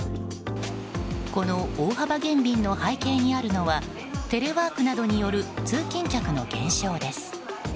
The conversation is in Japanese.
この大幅減便の背景にあるのはテレワークなどによる通勤客の減少です。